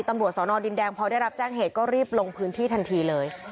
ตำรวจสอนอดินแดงพอได้รับแจ้งเหตุก็รีบลงพื้นที่ทันทีเลย